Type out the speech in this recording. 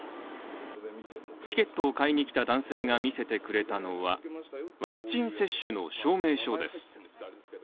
チケットを買いに来た男性が見せてくれたのは、ワクチン接種の証明書です。